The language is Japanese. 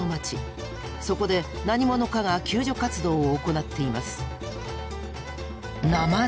そこで何者かが救助活動を行っています。